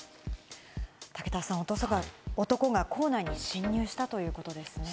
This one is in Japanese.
武田さん、男が校内に侵入したということですね。